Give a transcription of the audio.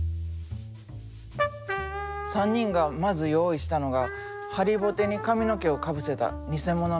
３人がまず用意したのが張りぼてに髪の毛をかぶせた偽物の顔。